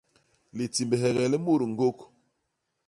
Litimhege li mut ñgôk.